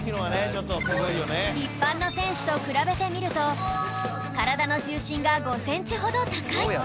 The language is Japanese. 一般の選手と比べてみると体の重心が５センチほど高い